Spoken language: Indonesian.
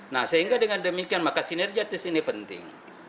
nah sehingga dengan demikian maka sinergiatis ini penting